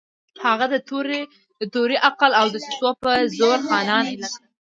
هغه د تورې، عقل او دسیسو په زور خانان اېل کړل.